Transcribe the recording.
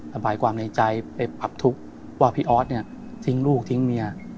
ระบายความในใจไปผับทุกข์ว่าพี่ออสเนี่ยทิ้งลูกทิ้งเมีย